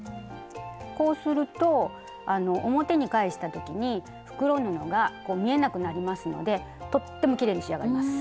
こうすると表に返した時に袋布が見えなくなりますのでとってもきれいに仕上がります。